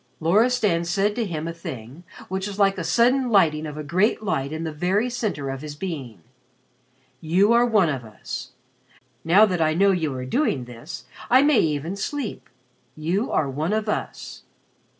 Loristan said to him a thing which was like the sudden lighting of a great light in the very center of his being. "You are one of us. Now that I know you are doing this I may even sleep. You are one of us."